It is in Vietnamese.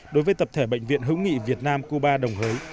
đối với tập thể bệnh viện hữu nghị việt nam cuba đồng hới